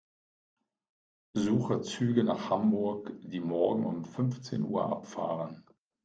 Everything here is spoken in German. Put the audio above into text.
Suche Züge nach Hamburg, die morgen um fünfzehn Uhr abfahren.